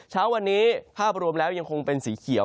เช้าวันนี้ภาพรวมแล้วยังคงเป็นสีเขียว